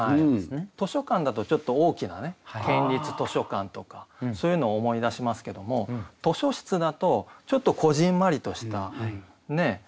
図書館だとちょっと大きなね県立図書館とかそういうのを思い出しますけども図書室だとちょっとこぢんまりとしたね？